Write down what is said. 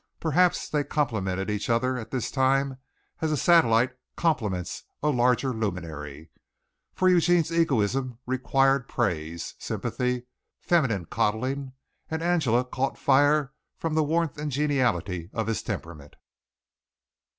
Perhaps they complemented each other at this time as a satellite complements a larger luminary for Eugene's egoism required praise, sympathy, feminine coddling; and Angela caught fire from the warmth and geniality of his temperament.